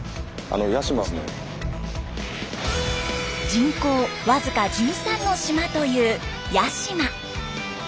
人口僅か１３の島という八島。